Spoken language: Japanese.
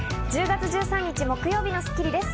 １０月１３日、木曜日の『スッキリ』です。